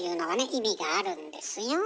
意味があるんですよ。